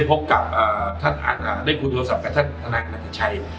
พบกับอาจารย์กรุรโทรศัพท์กับท่านทนางรัฐชัย